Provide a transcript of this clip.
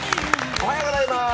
おはようございます。